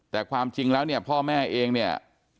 แต่ความจริงแล้วเนี่ยพ่อแม่เองเนี่ย